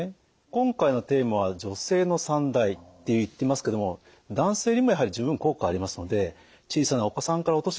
今回のテーマは女性の三大って言ってますけども男性にもやはり十分効果がありますので小さなお子さんからお年寄りまでですね